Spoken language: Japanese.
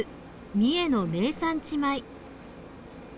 三重の名産地米」